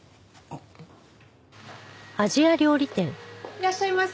いらっしゃいませ。